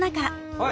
はい。